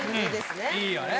いいよね。